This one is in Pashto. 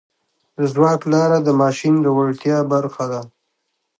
د ځواک لاره د ماشین د وړتیا برخه ده.